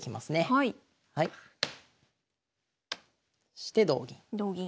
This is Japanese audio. そして同銀。